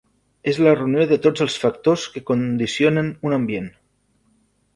És la reunió de tots els factors que condicionen un ambient.